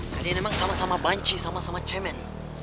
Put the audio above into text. kalian emang sama sama banci sama sama cemen